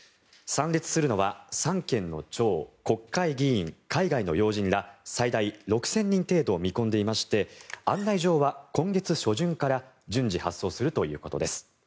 参列するのは三権の長国会議員、海外の要人ら最大６０００人程度を見込んでいまして、案内状は今月初旬から順次発送するということです。